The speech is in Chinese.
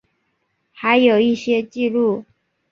还有一些记录